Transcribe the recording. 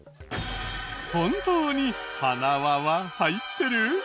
本当にはなわは入ってる？